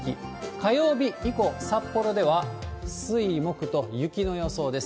火曜日以降、札幌では水、木と雪の予想です。